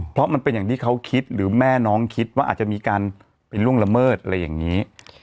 เพราะมันเป็นอย่างที่เขาคิดหรือแม่น้องคิดว่าอาจจะมีการไปล่วงละเมิดอะไรอย่างนี้